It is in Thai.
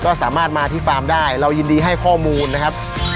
ก็สามารถมาที่ฟาร์มได้เรายินดีให้ข้อมูลนะครับ